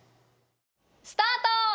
スタート！